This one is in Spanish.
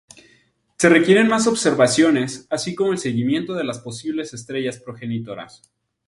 Se requieren más observaciones así como el seguimiento de las posibles estrellas progenitoras.